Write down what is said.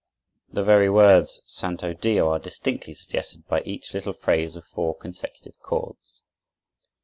The very words Santo Dio are distinctly suggested by each little phrase of four consecutive chords.